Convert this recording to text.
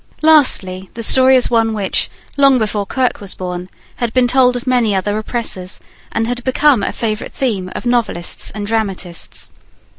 Lastly the story is one which, long before Kirke was born, had been told of many other oppressors, and had become a favourite theme of novelists and dramatists.